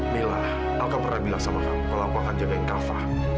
mila aku pernah bilang sama kamu kalau aku akan jagain kak fah